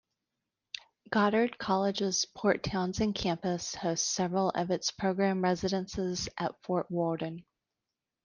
Goddard College's Port Townsend campus hosts several of its program residencies at Fort Worden.